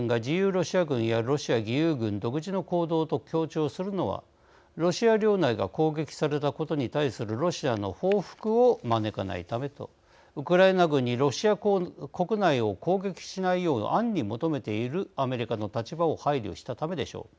ロシア軍やロシア義勇軍独自の行動と強調するのはロシア領内が攻撃されたことに対するロシアの報復を招かないためとウクライナ軍にロシア国内を攻撃しないよう暗に求めているアメリカの立場を配慮したためでしょう。